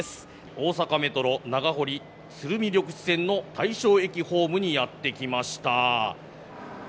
大阪メトロ長堀鶴見緑地線の大正駅ホームにやって来ました。